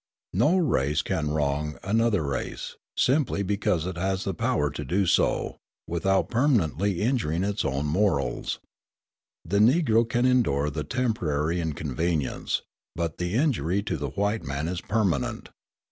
No race can wrong another race, simply because it has the power to do so, without being permanently injured in its own morals. The Negro can endure the temporary inconvenience, but the injury to the white man is permanent.